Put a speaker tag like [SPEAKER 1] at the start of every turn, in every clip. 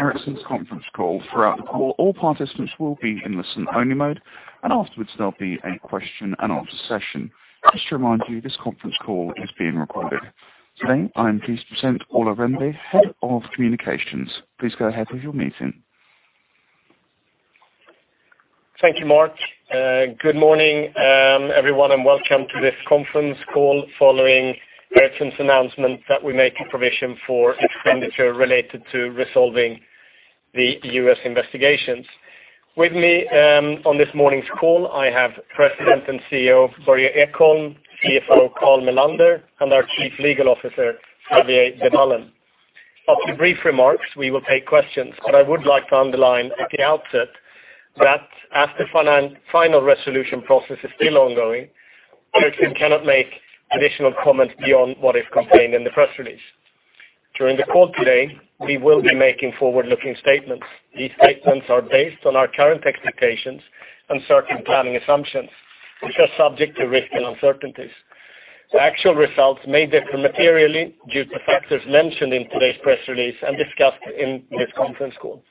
[SPEAKER 1] Ericsson's conference call. Throughout the call, all participants will be in listen-only mode. Afterwards, there'll be a question and answer session. Just to remind you, this conference call is being recorded. Today, I'm pleased to present Ola Rembe, Head of Communications. Please go ahead with your meeting.
[SPEAKER 2] Thank you, Mark. Good morning, everyone. Welcome to this conference call following Ericsson's announcement that we make a provision for expenditure related to resolving the U.S. investigations. With me on this morning's call, I have President and CEO, Börje Ekholm, CFO, Carl Mellander, Our Chief Legal Officer, Xavier Dedullen. After brief remarks, we will take questions. I would like to underline at the outset that as the final resolution process is still ongoing, Ericsson cannot make additional comments beyond what is contained in the press release. During the call today, we will be making forward-looking statements. These statements are based on our current expectations and certain planning assumptions, which are subject to risks and uncertainties. The actual results may differ materially due to factors mentioned in today's press release and discussed in this conference call.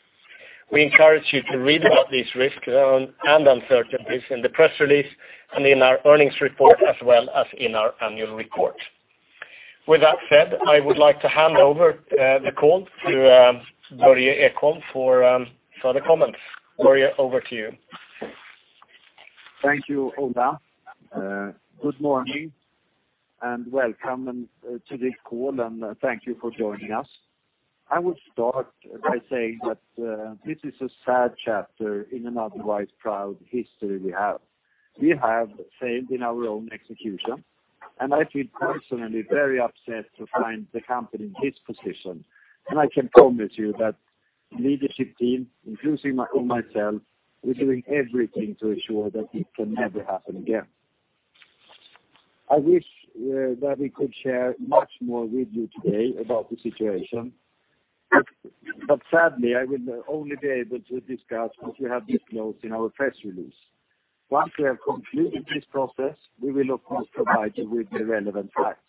[SPEAKER 2] We encourage you to read about these risks and uncertainties in the press release and in our earnings report, as well as in our annual report. With that said, I would like to hand over the call to Börje Ekholm for further comments. Börje, over to you.
[SPEAKER 3] Thank you, Ola. Good morning. Welcome to this call, and thank you for joining us. I would start by saying that this is a sad chapter in an otherwise proud history we have. We have failed in our own execution. I feel personally very upset to find the company in this position, and I can promise you that leadership team, including myself, we're doing everything to ensure that it can never happen again. I wish that we could share much more with you today about the situation. Sadly, I will only be able to discuss what we have disclosed in our press release. Once we have completed this process, we will of course provide you with the relevant facts.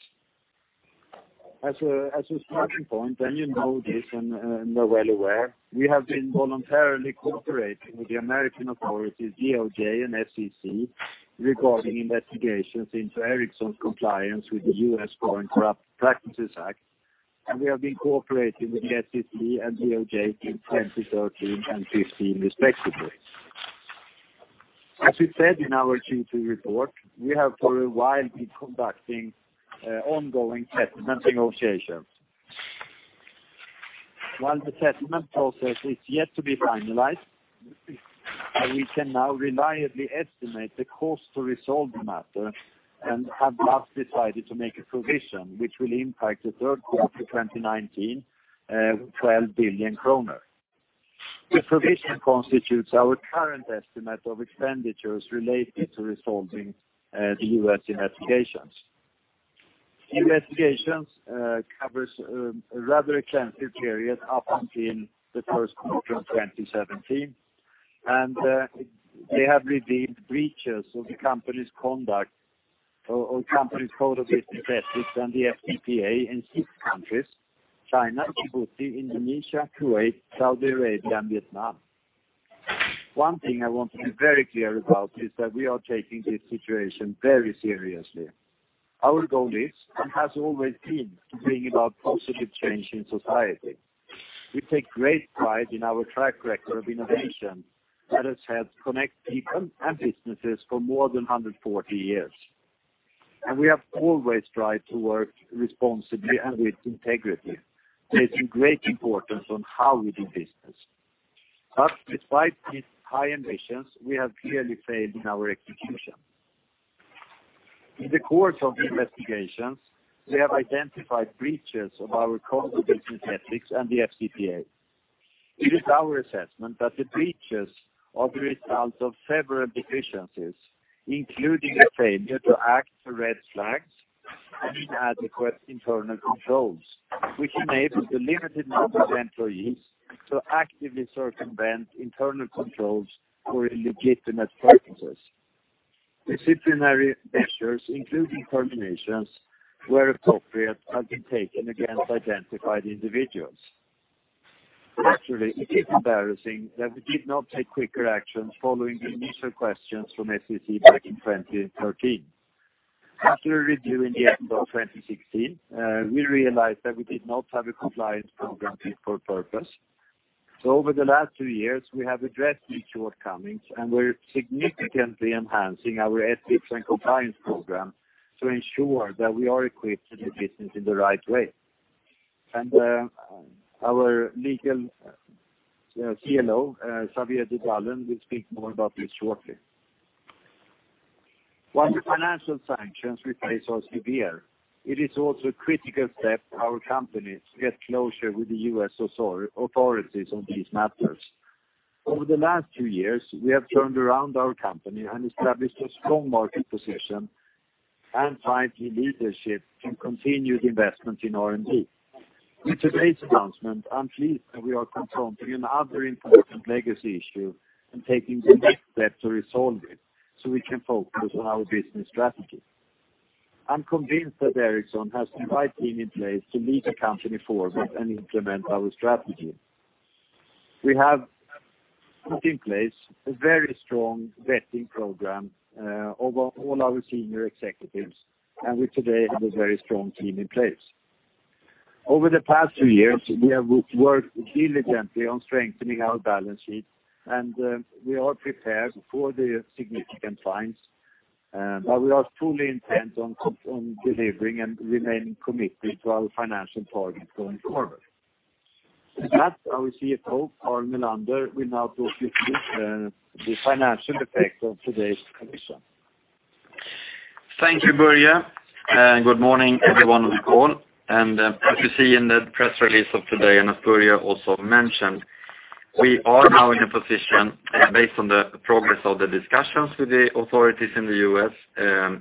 [SPEAKER 3] As a starting point, you know this and are well aware, we have been voluntarily cooperating with the American authorities, DOJ, and SEC regarding investigations into Ericsson's compliance with the U.S. Foreign Corrupt Practices Act. We have been cooperating with the SEC and DOJ since 2013 and 2015 respectively. As we said in our Q2 report, we have for a while been conducting ongoing settlement negotiations. While the settlement process is yet to be finalized, we can now reliably estimate the cost to resolve the matter and have thus decided to make a provision which will impact the third quarter 2019, 12 billion kronor. The provision constitutes our current estimate of expenditures related to resolving the U.S. investigations. Investigations covers a rather extensive period up until the first quarter of 2017, and they have revealed breaches of the company's code of business ethics and the FCPA in six countries: China, Djibouti, Indonesia, Kuwait, Saudi Arabia, and Vietnam. One thing I want to be very clear about is that we are taking this situation very seriously. Our goal is, and has always been, to bring about positive change in society. We take great pride in our track record of innovation that has helped connect people and businesses for more than 140 years, and we have always strived to work responsibly and with integrity, placing great importance on how we do business. Despite these high ambitions, we have clearly failed in our execution. In the course of the investigations, we have identified breaches of our code of business ethics and the FCPA. It is our assessment that the breaches are the result of several deficiencies, including a failure to act to red flags and inadequate internal controls, which enabled a limited number of employees to actively circumvent internal controls for illegitimate purposes. Disciplinary measures, including terminations where appropriate, have been taken against identified individuals. Naturally, it is embarrassing that we did not take quicker actions following the initial questions from SEC back in 2013. After reviewing the end of 2016, we realized that we did not have a compliance program fit for purpose. Over the last two years, we have addressed these shortcomings, and we're significantly enhancing our ethics and compliance program to ensure that we are equipped to do business in the right way. Our legal CLO, Xavier Dedullen, will speak more about this shortly. While the financial sanctions we face are severe, it is also a critical step for our company to get closure with the U.S. authorities on these matters. Over the last two years, we have turned around our company and established a strong market position and finally leadership to continue the investment in R&D. With today's announcement, I'm pleased that we are confronting another important legacy issue and taking the next step to resolve it so we can focus on our business strategy. I'm convinced that Ericsson has the right team in place to lead the company forward and implement our strategy. We have put in place a very strong vetting program over all our senior executives, and we today have a very strong team in place. Over the past two years, we have worked diligently on strengthening our balance sheet, and we are prepared for the significant fines. We are fully intent on delivering and remaining committed to our financial targets going forward. With that, our CFO, Carl Mellander, will now talk you through the financial effect of today's provision.
[SPEAKER 4] Thank you, Börje. Good morning, everyone, on the call. As you see in the press release of today, as Börje also mentioned, we are now in a position based on the progress of the discussions with the authorities in the U.S.,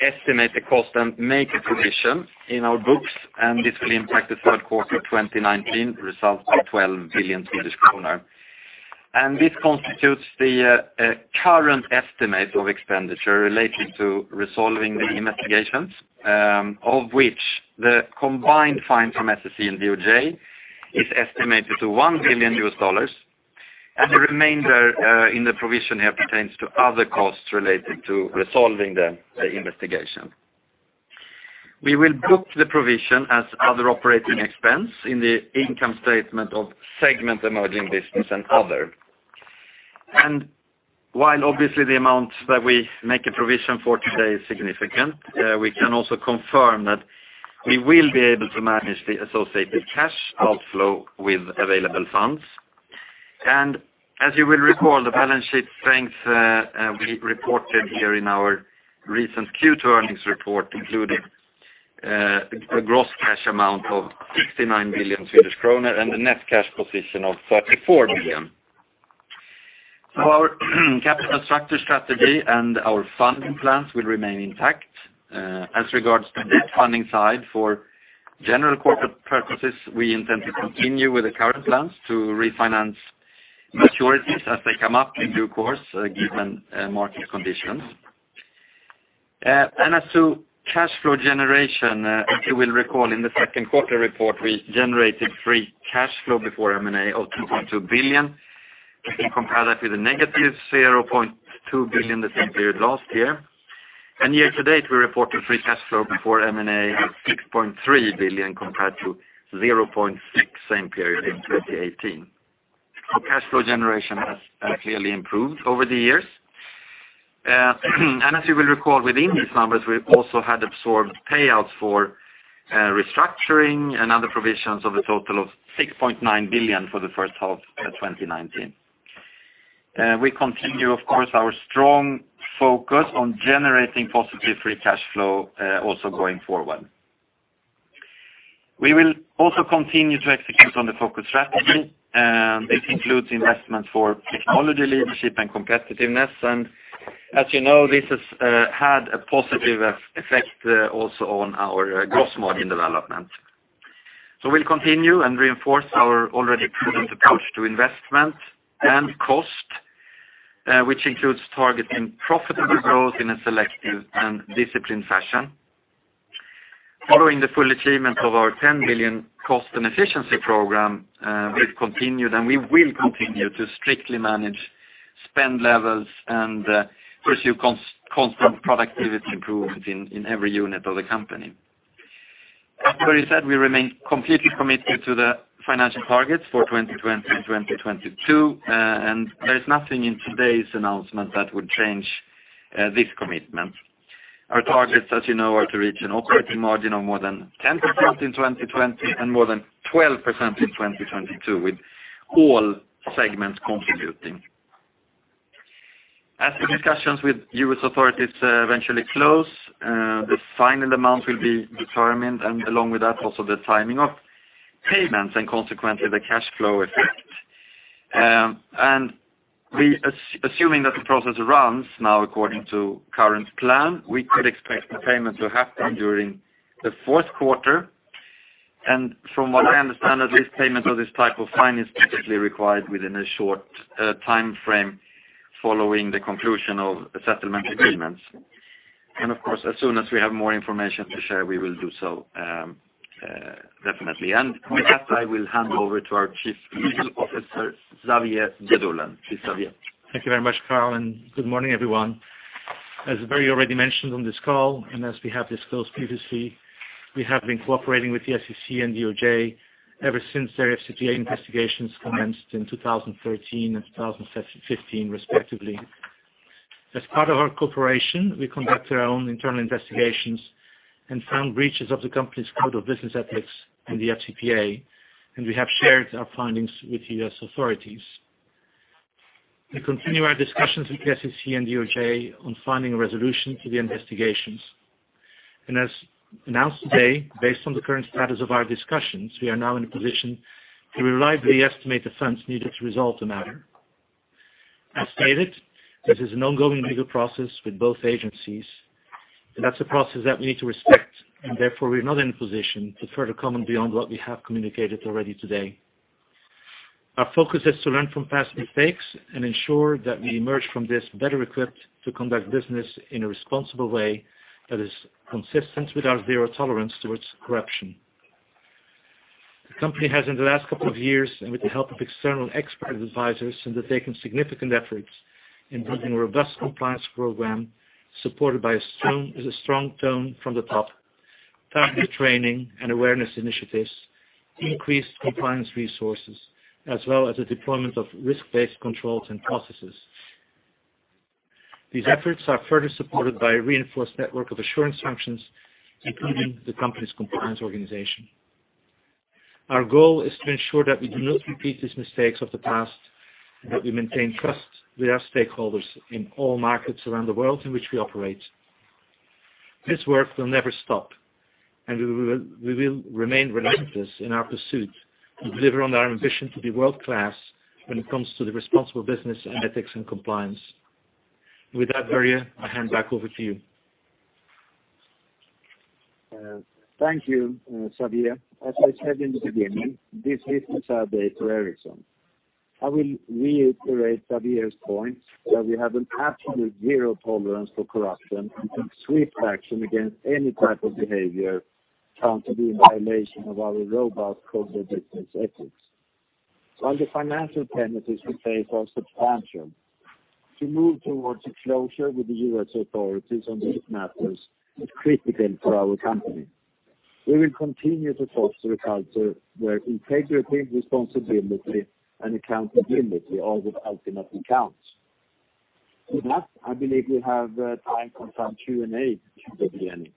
[SPEAKER 4] estimate the cost, and make a provision in our books, and this will impact the third quarter 2019 results by 12 billion Swedish kronor. This constitutes the current estimate of expenditure related to resolving the investigations, of which the combined fine from SEC and DOJ is estimated to $1 billion, and the remainder in the provision here pertains to other costs related to resolving the investigation. We will book the provision as other operating expense in the income statement of Segment Emerging Business and Other. While obviously the amount that we make a provision for today is significant, we can also confirm that we will be able to manage the associated cash outflow with available funds. As you will recall, the balance sheet strength we reported here in our recent Q2 earnings report included a gross cash amount of 69 billion Swedish kronor and a net cash position of 34 billion. Our capital structure strategy and our funding plans will remain intact. As regards to the funding side for general corporate purposes, we intend to continue with the current plans to refinance maturities as they come up in due course, given market conditions. As to cash flow generation, as you will recall in the second quarter report, we generated free cash flow before M&A of 2.2 billion. You can compare that with a negative 0.2 billion the same period last year. Year-to-date, we reported free cash flow before M&A of 6.3 billion compared to 0.6 same period in 2018. Cash flow generation has clearly improved over the years. As you will recall, within these numbers, we also had absorbed payouts for restructuring and other provisions of a total of 6.9 billion for the first half of 2019. We continue, of course, our strong focus on generating positive free cash flow also going forward. We will also continue to execute on the focus strategy. This includes investment for technology leadership and competitiveness, and as you know, this has had a positive effect also on our gross margin development. We'll continue and reinforce our already prudent approach to investment and cost, which includes targeting profitable growth in a selective and disciplined fashion. Following the full achievement of our 10 billion cost and efficiency program, we've continued, and we will continue to strictly manage spend levels and pursue constant productivity improvements in every unit of the company. As Börje said, we remain completely committed to the financial targets for 2020 and 2022, and there is nothing in today's announcement that would change this commitment. Our targets, as you know, are to reach an operating margin of more than 10% in 2020 and more than 12% in 2022, with all segments contributing. As the discussions with U.S. authorities eventually close, the final amount will be determined, and along with that, also the timing of payments and consequently the cash flow effect. Assuming that the process runs now according to current plan, we could expect the payment to happen during the fourth quarter. From what I understand at least, payment of this type of fine is typically required within a short time frame following the conclusion of settlement agreements. Of course, as soon as we have more information to share, we will do so definitely. With that, I will hand over to our Chief Legal Officer, Xavier Dedullen. Please, Xavier.
[SPEAKER 5] Thank you very much, Carl, and good morning, everyone. As Börje already mentioned on this call, and as we have disclosed previously, we have been cooperating with the SEC and DOJ ever since their FCPA investigations commenced in 2013 and 2015, respectively. As part of our cooperation, we conducted our own internal investigations and found breaches of the company's code of business ethics and the FCPA, and we have shared our findings with the U.S. authorities. We continue our discussions with the SEC and DOJ on finding a resolution to the investigations. As announced today, based on the current status of our discussions, we are now in a position to reliably estimate the funds needed to resolve the matter. As stated, this is an ongoing legal process with both agencies, and that's a process that we need to respect, and therefore, we are not in a position to further comment beyond what we have communicated already today. Our focus is to learn from past mistakes and ensure that we emerge from this better equipped to conduct business in a responsible way that is consistent with our zero tolerance towards corruption. The company has, in the last couple of years, and with the help of external expert advisors, has undertaken significant efforts in building a robust compliance program, supported by a strong tone from the top, targeted training and awareness initiatives, increased compliance resources, as well as the deployment of risk-based controls and processes. These efforts are further supported by a reinforced network of assurance functions, including the company's compliance organization. Our goal is to ensure that we do not repeat these mistakes of the past, and that we maintain trust with our stakeholders in all markets around the world in which we operate. This work will never stop. We will remain relentless in our pursuit to deliver on our ambition to be world-class when it comes to the responsible business ethics and compliance. With that, Börje, I hand back over to you.
[SPEAKER 3] Thank you, Xavier. As I said in the beginning, this is a sad day for Ericsson. I will reiterate Xavier's point that we have an absolute zero tolerance for corruption and take swift action against any type of behavior found to be in violation of our robust code of business ethics. While the financial penalties we face are substantial, to move towards a closure with the U.S. authorities on these matters is critical for our company. We will continue to foster a culture where integrity, responsibility, and accountability are what ultimately counts. With that, I believe we have time for some Q&A before the ending.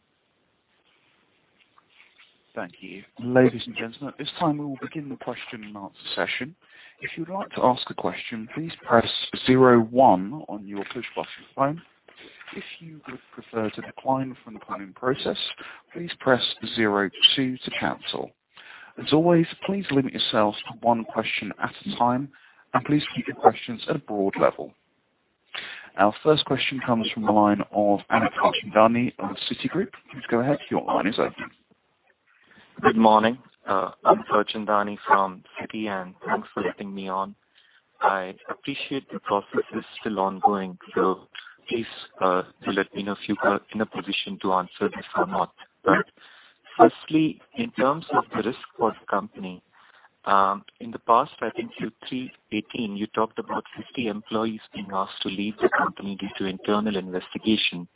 [SPEAKER 1] Thank you. Ladies and gentlemen, at this time we will begin the question and answer session. If you'd like to ask a question, please press 01 on your push button phone. If you would prefer to decline from the calling process, please press 02 to cancel. As always, please limit yourselves to one question at a time, and please keep your questions at a broad level. Our first question comes from the line of Anuj Archandani of Citigroup. Please go ahead, your line is open.
[SPEAKER 6] Good morning. I'm Archandani from Citi. Thanks for letting me on. I appreciate the process is still ongoing, so please do let me know if you are in a position to answer this or not. Firstly, in terms of the risk for the company, in the past, I think Q3 2018, you talked about 50 employees being asked to leave the company due to internal investigation.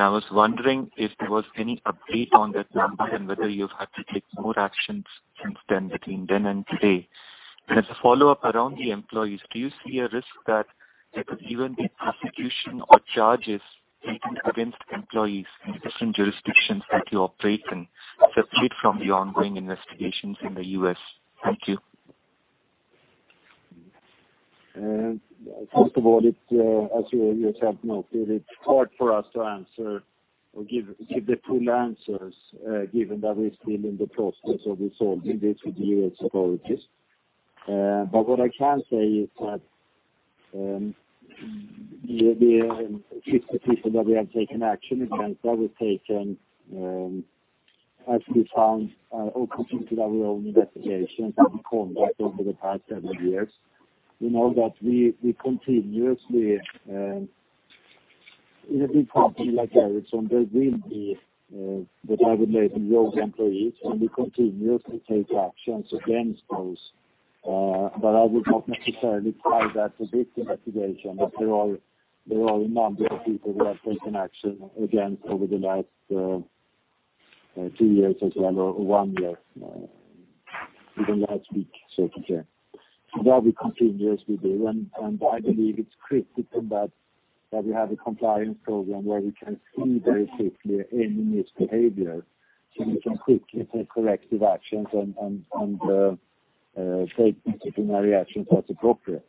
[SPEAKER 6] I was wondering if there was any update on that number and whether you've had to take more actions since then, between then and today. As a follow-up around the employees, do you see a risk that there could even be prosecution or charges taken against employees in different jurisdictions that you operate in, separate from the ongoing investigations in the U.S.? Thank you.
[SPEAKER 3] First of all, as you yourself noted, it is hard for us to answer or give the full answers, given that we are still in the process of resolving this with the U.S. authorities. What I can say is that the 50 people that we have taken action against, that was taken as we found or concluded our own investigations that we have conducted over the past several years. We know that in a big company like Ericsson, there will be what I would label rogue employees, and we continuously take actions against those. I would not necessarily tie that to this investigation, but there are a number of people we have taken action against over the last two years as well, or one year. Even last week, so to say. That we continuously do. I believe it's critical that we have a compliance program where we can see very quickly any misbehavior, so we can quickly take corrective actions and take disciplinary actions as appropriate.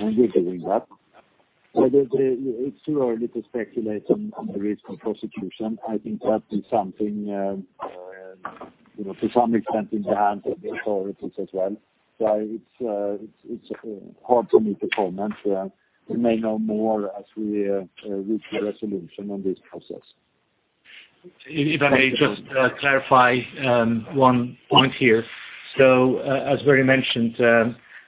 [SPEAKER 3] We're doing that. It's too early to speculate on the risk of prosecution. I think that is something, to some extent, in the hands of the authorities as well. It's hard for me to comment. We may know more as we reach a resolution on this process.
[SPEAKER 5] If I may just clarify one point here. As Börje mentioned,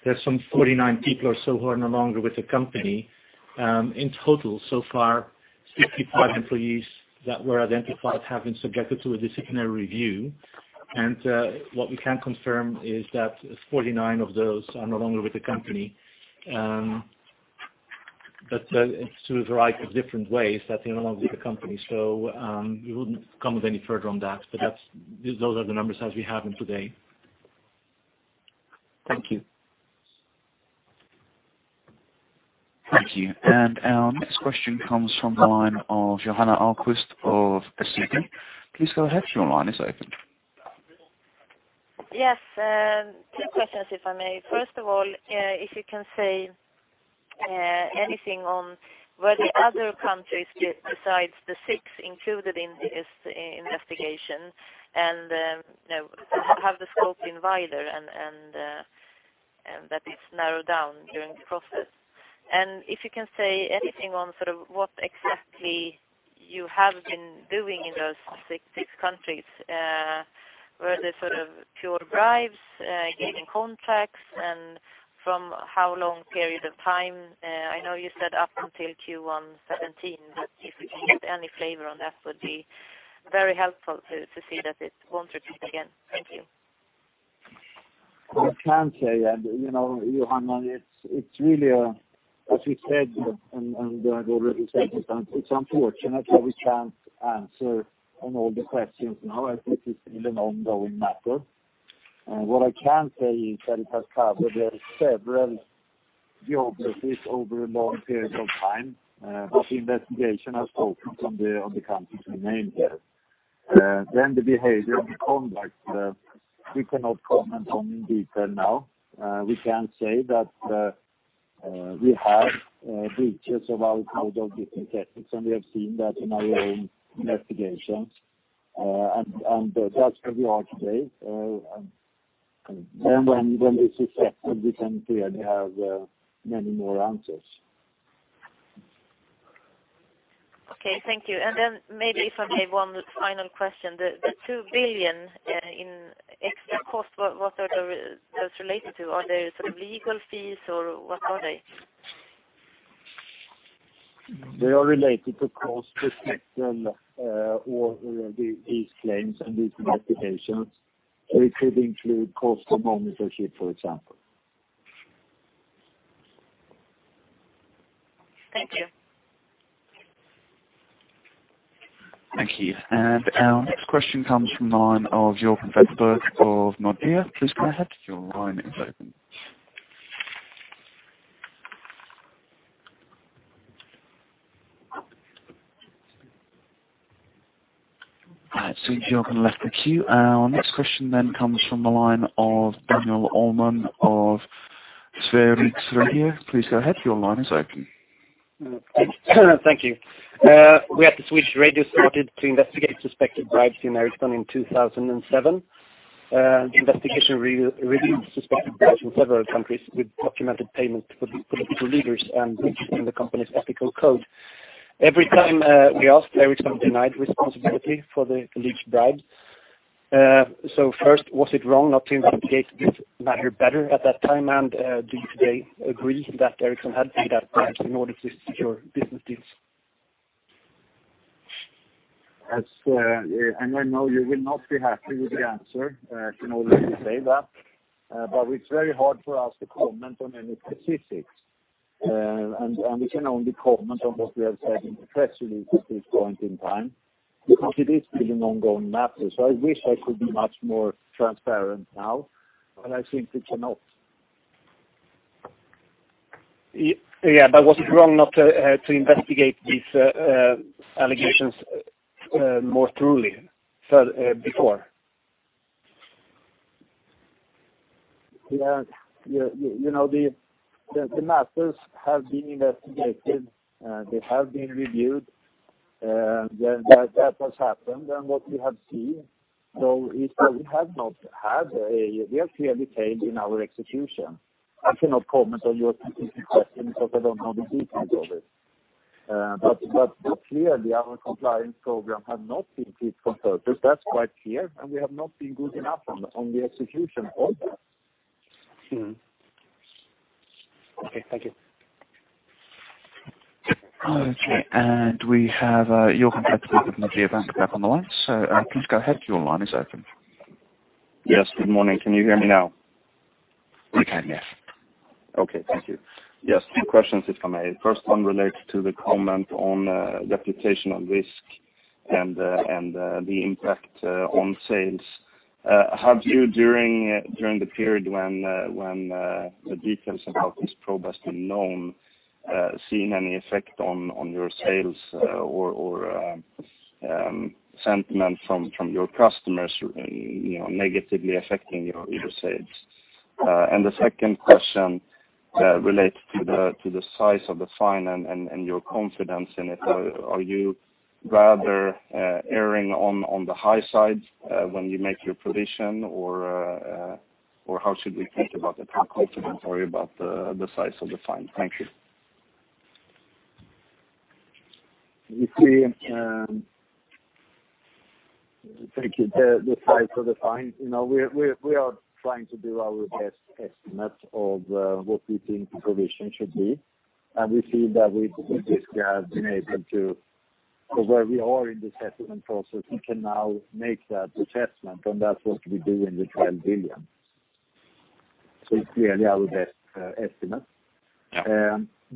[SPEAKER 5] there's some 49 people or so who are no longer with the company. In total so far, 65 employees that were identified have been subjected to a disciplinary review. What we can confirm is that 49 of those are no longer with the company. It's through a variety of different ways that they are no longer with the company. We wouldn't comment any further on that. Those are the numbers as we have them today.
[SPEAKER 6] Thank you.
[SPEAKER 1] Thank you. Our next question comes from the line of Johanna Ahlqvist of DNB. Please go ahead, your line is open.
[SPEAKER 7] Yes. Two questions, if I may. First of all, if you can say anything on whether other countries besides the six included in this investigation, have the scope been wider and that it's narrowed down during the process? If you can say anything on what exactly you have been doing in those six countries, were they pure bribes, gaining contracts, and from how long period of time? I know you said up until Q1 2017, but if we can get any flavor on that, would be very helpful to see that it won't repeat again. Thank you.
[SPEAKER 3] I can say, Johanna, as we said, and I've already said this, it's unfortunate that we can't answer on all the questions now, as this is still an ongoing matter. What I can say is that it has covered several geographies over a long period of time, but the investigation has focused on the countries we named there. The behavior and the conduct, we cannot comment on in detail now. We can say that we have breaches of our code of business ethics, and we have seen that in our own investigations. That's where we are today. When this is settled, we can clearly have many more answers.
[SPEAKER 7] Okay, thank you. Then maybe if I may, one final question. The 2 billion in extra cost, what are those related to? Are they legal fees or what are they?
[SPEAKER 3] They are related to costs, potential or these claims and these investigations. It could include cost of monitorship, for example.
[SPEAKER 7] Thank you.
[SPEAKER 1] Thank you. Our next question comes from the line of Joakim Forsberg of Nordea. Please go ahead, your line is open. I see Joakim left the queue. Our next question comes from the line of Daniel Djurberg of Sveriges Radio. Please go ahead, your line is open.
[SPEAKER 8] Thank you. We at the Swedish Radio started to investigate suspected bribes in Ericsson in 2007. Investigation revealed suspected bribes in several countries with documented payment to political leaders and breach in the company's ethical code. Every time we asked, Ericsson denied responsibility for the alleged bribes. First, was it wrong not to investigate this matter better at that time? Do you today agree that Ericsson had to pay that bribe in order to secure business deals?
[SPEAKER 3] I know you will not be happy with the answer. I can already say that. It's very hard for us to comment on any specifics. We can only comment on what we have said in the press release at this point in time because it is still an ongoing matter. I wish I could be much more transparent now, but I think we cannot.
[SPEAKER 8] Yeah, was it wrong not to investigate these allegations more thoroughly before?
[SPEAKER 3] The matters have been investigated, they have been reviewed, and then that has happened. What we have seen, though, is that we have clearly failed in our execution. I cannot comment on your specific questions because I don't know the details of it. Clearly our compliance program has not been fit for purpose. That's quite clear, and we have not been good enough on the execution of that.
[SPEAKER 8] Okay, thank you.
[SPEAKER 1] Okay, we have Joakim Forsberg of Nordea Bank back on the line, please go ahead. Your line is open.
[SPEAKER 9] Yes. Good morning. Can you hear me now?
[SPEAKER 1] We can, yes.
[SPEAKER 9] Okay. Thank you. Yes, two questions if I may. First one relates to the comment on reputational risk and the impact on sales. Have you, during the period when the details about this probe has been known, seen any effect on your sales or sentiment from your customers negatively affecting your sales? The second question relates to the size of the fine and your confidence in it. Are you rather erring on the high side when you make your provision or how should we think about the confidence or about the size of the fine? Thank you.
[SPEAKER 3] Thank you. The size of the fine. We are trying to do our best estimate of what we think the provision should be, and we feel that we have been able to, where we are in the settlement process, we can now make that assessment, and that's what we do in the 12 billion. It's clearly our best estimate.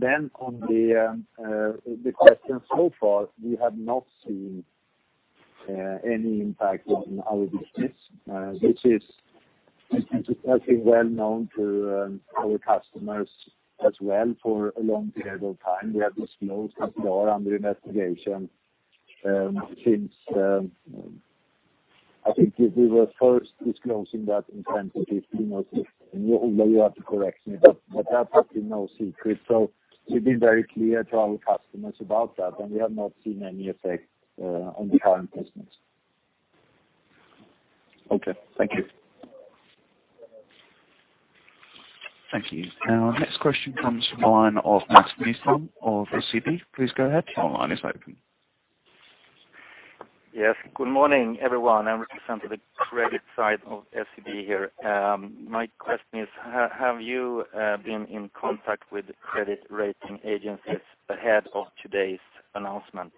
[SPEAKER 3] On the question, so far, we have not seen any impact on our business, which has been well known to our customers as well for a long period of time. We have disclosed that we are under investigation since, I think we were first disclosing that in 2015 or 2016. Ola, you have to correct me. That's actually no secret. We've been very clear to our customers about that, and we have not seen any effect on the current business. Okay, thank you.
[SPEAKER 1] Thank you. Our next question comes from the line of Max Nyström of SEB. Please go ahead. Your line is open.
[SPEAKER 10] Good morning, everyone. I represent the credit side of SEB here. My question is, have you been in contact with credit rating agencies ahead of today's announcement?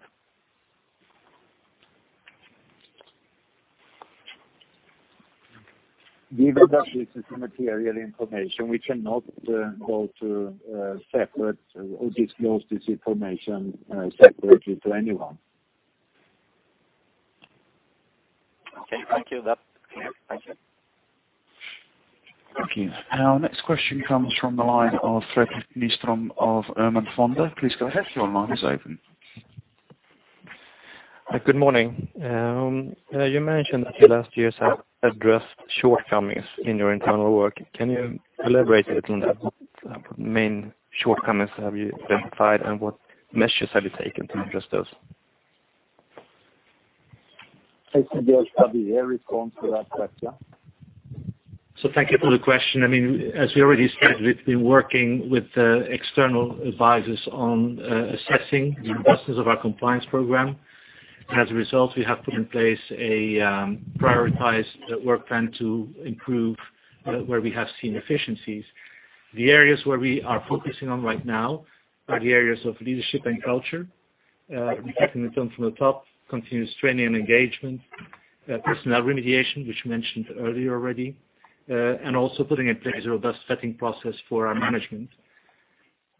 [SPEAKER 3] Given that this is material information, we cannot go to separate or disclose this information separately to anyone.
[SPEAKER 10] Okay, thank you. That's clear. Thank you.
[SPEAKER 1] Thank you. Our next question comes from the line of Fredrik Nyström of AMF Fonder. Please go ahead, your line is open.
[SPEAKER 11] Good morning. You mentioned that the last years have addressed shortcomings in your internal work. Can you elaborate a little on that? What main shortcomings have you identified, and what measures have you taken to address those?
[SPEAKER 3] I suggest Xavier here responds to that.
[SPEAKER 5] Thank you for the question. As we already said, we've been working with external advisors on assessing the robustness of our compliance program. As a result, we have put in place a prioritized work plan to improve where we have seen deficiencies. The areas where we are focusing on right now are the areas of leadership and culture, effective tone from the top, continuous training and engagement, personnel remediation, which we mentioned earlier already, and also putting in place a robust vetting process for our management.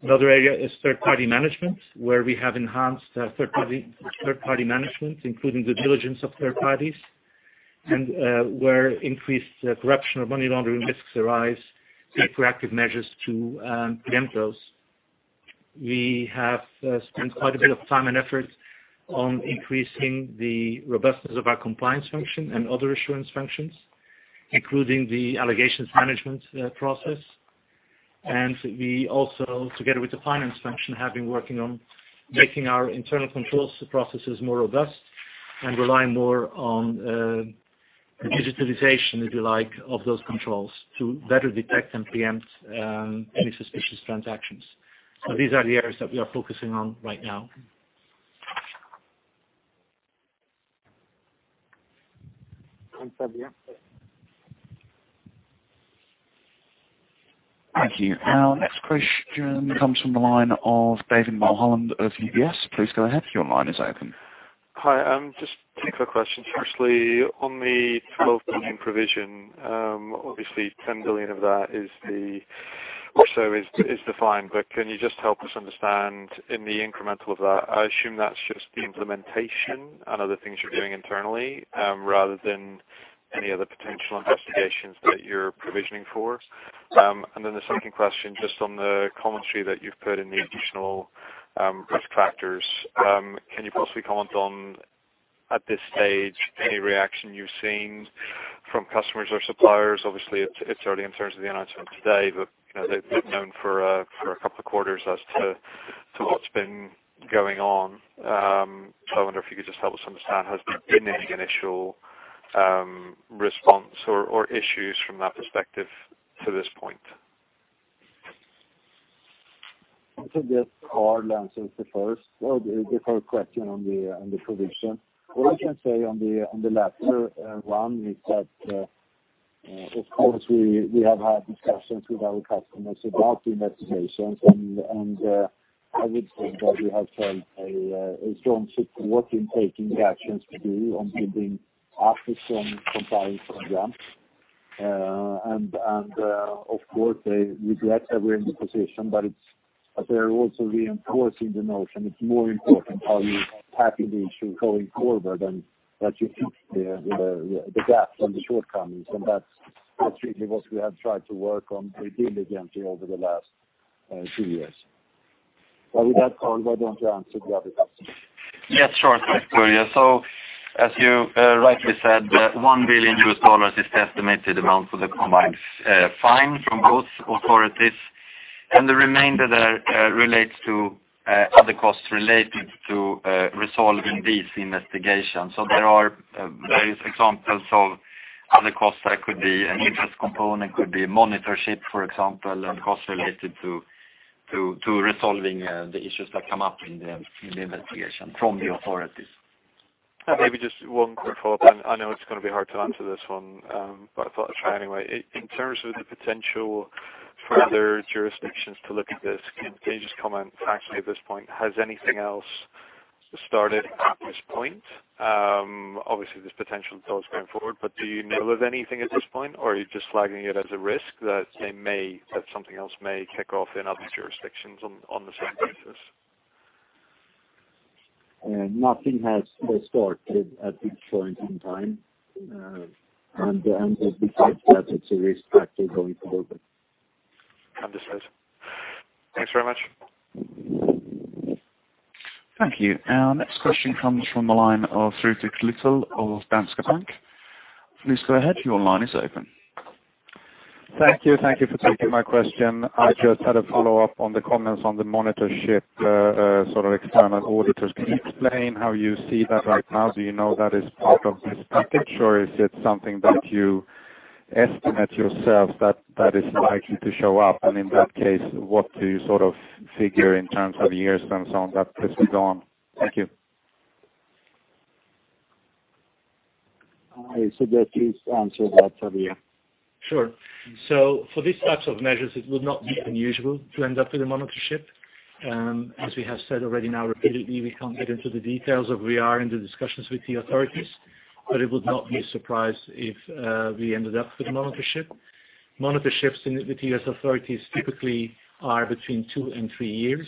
[SPEAKER 5] Another area is third-party management, where we have enhanced third-party management, including due diligence of third parties, and where increased corruption or money laundering risks arise, take proactive measures to preempt those. We have spent quite a bit of time and effort on increasing the robustness of our compliance function and other assurance functions, including the allegations management process. We also, together with the finance function, have been working on making our internal controls processes more robust and relying more on the digitalization, if you like, of those controls to better detect and preempt any suspicious transactions. These are the areas that we are focusing on right now.
[SPEAKER 3] Xavier.
[SPEAKER 1] Thank you. Our next question comes from the line of David Mulholland of UBS. Please go ahead. Your line is open.
[SPEAKER 12] Hi. Just a quick question. Firstly, on the $12 billion provision, obviously $10 billion of that is the fine. Can you just help us understand in the incremental of that, I assume that's just the implementation and other things you're doing internally rather than any other potential investigations that you're provisioning for? The second question, just on the commentary that you've put in the additional risk factors, can you possibly comment on, at this stage, any reaction you've seen from customers or suppliers? Obviously, it's early in terms of the announcement today. They've known for a couple of quarters as to what's been going on. I wonder if you could just help us understand, has there been any initial response or issues from that perspective to this point?
[SPEAKER 3] I think that Carl answers the first question on the provision. What I can say on the latter one is that, of course, we have had discussions with our customers about the investigations, I would think that we have felt a strong support in taking the actions to do on building up the compliance programs. Of course, we regret that we're in the position, but they're also reinforcing the notion it's more important how you attack the issue going forward and that you fix the gaps and the shortcomings. That's really what we have tried to work on with diligence over the last two years. With that, Carl, why don't you answer the other question?
[SPEAKER 4] Yes, sure. Thanks, Javier. As you rightly said, $1 billion is the estimated amount for the combined fine from both authorities. The remainder there relates to other costs related to resolving these investigations. There is examples of other costs that could be an interest component, could be monitorship, for example, and costs related to resolving the issues that come up in the investigation from the authorities.
[SPEAKER 12] Maybe just one quick follow-up then. I know it's going to be hard to answer this one, but I thought I'd try anyway. In terms of the potential for other jurisdictions to look at this, can you just comment factually at this point, has anything else started at this point? Obviously, there's potential those going forward, but do you know of anything at this point, or are you just flagging it as a risk that something else may kick off in other jurisdictions on the same basis?
[SPEAKER 3] Nothing has started at this point in time. It's a risk factor going forward.
[SPEAKER 12] Understood. Thanks very much.
[SPEAKER 1] Thank you. Our next question comes from the line of Rufus Little of Danske Bank. Please go ahead. Your line is open.
[SPEAKER 13] Thank you for taking my question. I just had a follow-up on the comments on the monitorship sort of external auditors. Can you explain how you see that right now? Do you know that is part of this package, or is it something that you estimate yourselves that is likely to show up, and in that case, what do you sort of figure in terms of years and so on that this will go on? Thank you.
[SPEAKER 3] I suggest you answer that, Xavier.
[SPEAKER 5] Sure. For these types of measures, it would not be unusual to end up with a monitorship. As we have said already now repeatedly, we can't get into the details of where we are in the discussions with the authorities. It would not be a surprise if we ended up with a monitorship. Monitorships with U.S. authorities typically are between two and three years.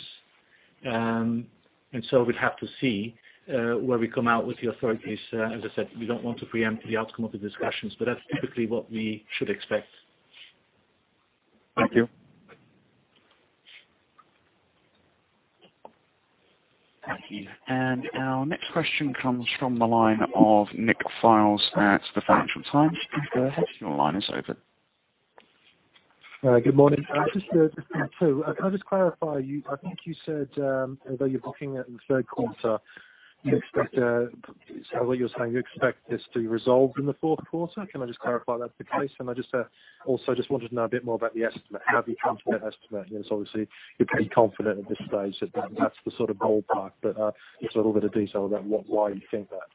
[SPEAKER 5] We'd have to see where we come out with the authorities. As I said, we don't want to preempt the outcome of the discussions, but that's typically what we should expect.
[SPEAKER 13] Thank you.
[SPEAKER 1] Thank you. Our next question comes from the line of Nic Fildes at the Financial Times. Please go ahead. Your line is open.
[SPEAKER 14] Good morning. Can I just clarify, I think you said, although you're booking it in the third quarter, is that what you're saying, you expect this to be resolved in the fourth quarter? Can I just clarify that's the case? I just also wanted to know a bit more about the estimate, how have you come to that estimate? Obviously, you're pretty confident at this stage that that's the sort of ballpark, just a little bit of detail about why you think that.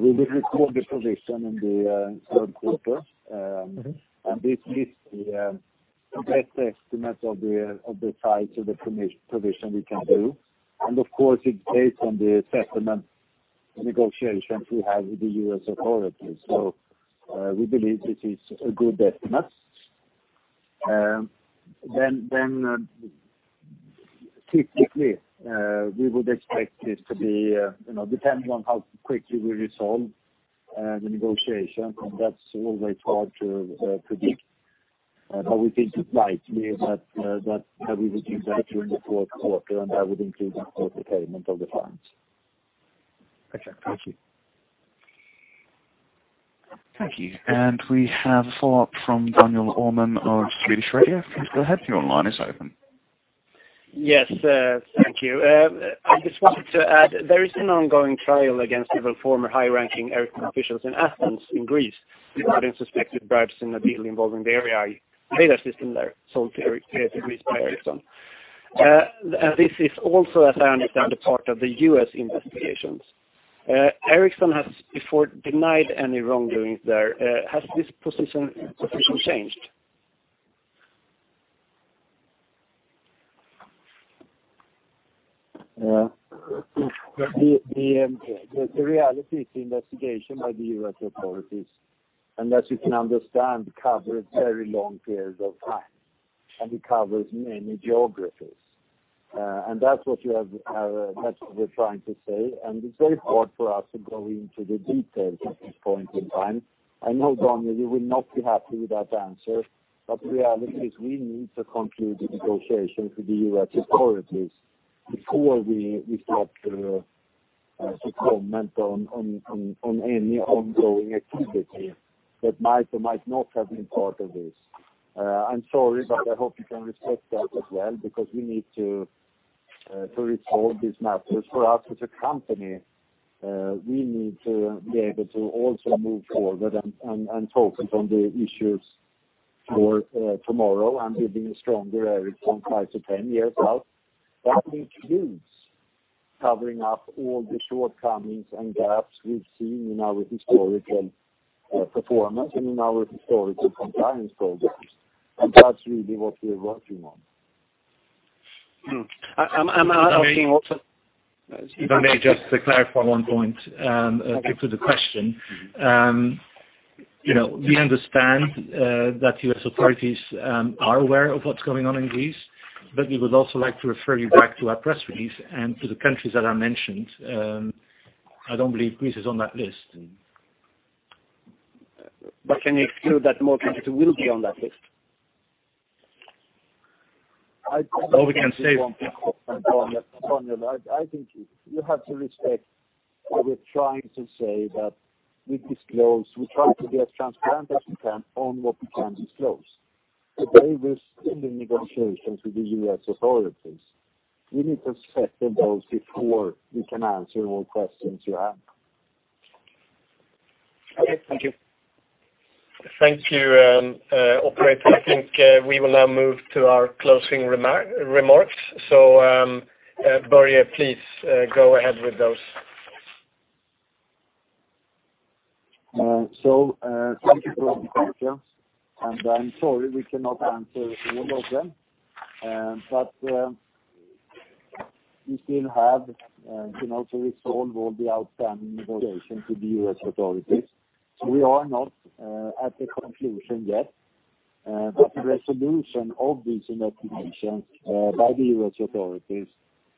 [SPEAKER 3] We will record the provision in the third quarter. This is the best estimate of the size of the provision we can do. Of course, it's based on the settlement negotiations we have with the U.S. authorities. We believe this is a good estimate. Typically, we would expect this to be, depending on how quickly we resolve the negotiation, and that's always hard to predict. We think it likely that we would do that during the fourth quarter, and that would include the full payment of the fines.
[SPEAKER 14] Okay. Thank you.
[SPEAKER 1] Thank you. We have a follow-up from Daniel Öhman of Swedish Radio. Please go ahead. Your line is open.
[SPEAKER 15] Yes. Thank you. I just wanted to add, there is an ongoing trial against several former high-ranking Ericsson officials in Athens in Greece regarding suspected bribes in a deal involving the Erieye radar system there sold to Greece by Ericsson. This is also, as I understand, a part of the U.S. investigations. Ericsson has before denied any wrongdoings there. Has this position changed?
[SPEAKER 3] The reality is the investigation by the U.S. authorities, and as you can understand, covers very long periods of time, and it covers many geographies. That's what we're trying to say. It's very hard for us to go into the details at this point in time. I know, Daniel, you will not be happy with that answer, but the reality is we need to conclude the negotiations with the U.S. authorities before we start to comment on any ongoing activity that might or might not have been part of this. I'm sorry, but I hope you can respect that as well, because we need to resolve these matters for us as a company. We need to be able to also move forward and focus on the issues for tomorrow and building a stronger Ericsson 5 to 10 years out. That includes covering up all the shortcomings and gaps we've seen in our historical performance and in our historical compliance programs. That's really what we're working on.
[SPEAKER 15] I'm asking also-
[SPEAKER 5] If I may just clarify one point to the question.
[SPEAKER 15] Okay.
[SPEAKER 5] We understand that U.S. authorities are aware of what's going on in Greece. We would also like to refer you back to our press release and to the countries that are mentioned. I don't believe Greece is on that list.
[SPEAKER 15] Can you exclude that more countries will be on that list?
[SPEAKER 3] All we can say, Daniel, I think you have to respect what we're trying to say that we disclose, we try to be as transparent as we can on what we can disclose. Today, we're still in negotiations with the U.S. authorities. We need to settle those before we can answer all questions you have.
[SPEAKER 15] Okay. Thank you.
[SPEAKER 2] Thank you. Operator, I think we will now move to our closing remarks. Börje, please go ahead with those.
[SPEAKER 3] Thank you for the questions, and I'm sorry we cannot answer all of them. We still have to resolve all the outstanding negotiations with the U.S. authorities. We are not at the conclusion yet. The resolution of these investigations by the U.S. authorities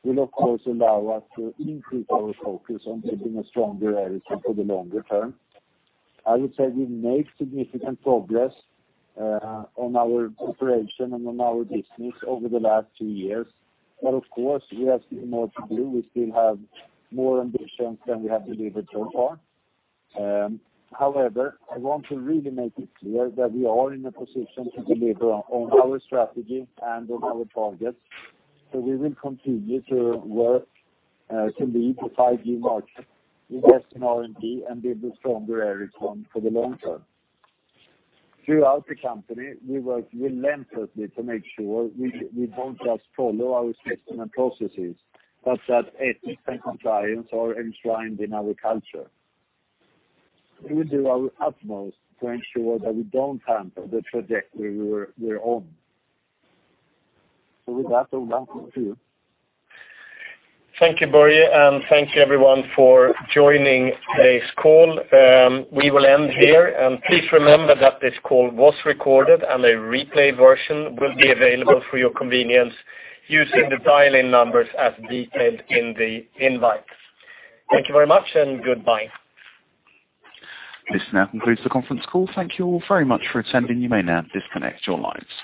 [SPEAKER 3] will, of course, allow us to increase our focus on building a stronger Ericsson for the longer term. I would say we've made significant progress on our cooperation and on our business over the last two years. Of course, we have still more to do. We still have more ambitions than we have delivered so far. However, I want to really make it clear that we are in a position to deliver on our strategy and on our targets. We will continue to work to lead the 5G market, invest in R&D, and build a stronger Ericsson for the long term. Throughout the company, we work relentlessly to make sure we don't just follow our system and processes, but that ethics and compliance are enshrined in our culture. We will do our utmost to ensure that we don't hamper the trajectory we're on. With that, I will hand back to you.
[SPEAKER 2] Thank you, Börje, and thank you, everyone, for joining today's call. We will end here, and please remember that this call was recorded, and a replay version will be available for your convenience using the dial-in numbers as detailed in the invite. Thank you very much and goodbye.
[SPEAKER 1] This now concludes the conference call. Thank you all very much for attending. You may now disconnect your lines.